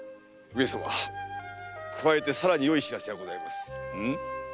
上様加えてさらによい知らせがございます。